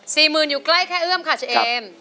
สี่หมื่นอยู่ใกล้แค่เอื้อมค่ะเชม